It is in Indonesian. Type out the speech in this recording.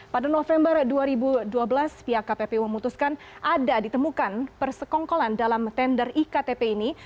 pada november dua ribu dua belas pihak kppu memutuskan ada ditemukan persekongkolan dalam tender iktp ini